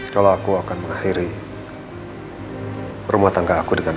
kalau aku akan mengakhiri rumah tangga aku dengan